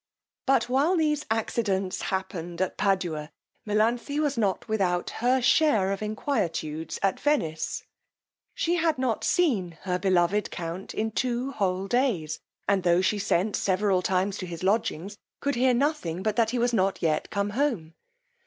But while these accidents happened at Padua, Melanthe was not without her share of inquietudes at Venice: she had not seen her beloved count in two whole days, and, tho' she sent several times to his lodgings, could hear nothing but that he was not yet come home.